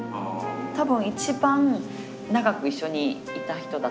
多分一番長く一緒にいた人だと思うんですね。